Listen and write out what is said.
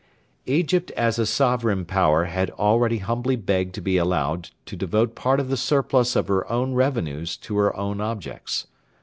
Egypt as a sovereign power had already humbly begged to be allowed to devote part of the surplus of her own revenues to her own objects.